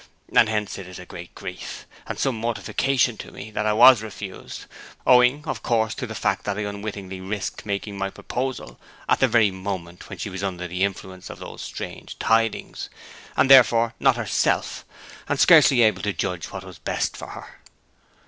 And hence it is a great grief, and some mortification to me, that I was refused owing, of course, to the fact that I unwittingly risked making my proposal at the very moment when she was under the influence of those strange tidings, and therefore not herself, and scarcely able to judge what was best for her.'